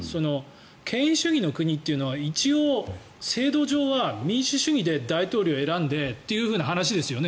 権威主義の国というのは一応、制度上は民主主義で大統領を選んでという話ですよね。